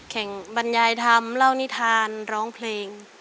บรรยายธรรมเล่านิทานร้องเพลง